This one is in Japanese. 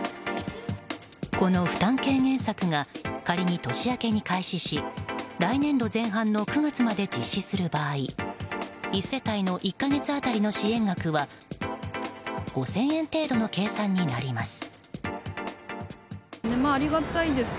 この負担軽減策が仮に年明けに開始し来年度前半の９月まで実施する場合１世帯の１か月当たりの支援額は５０００円程度の計算になります。